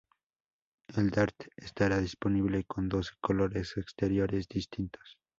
El Dart estará disponible con doce colores exteriores distintos.